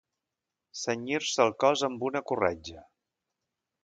Cenyir-se el cos amb una corretja.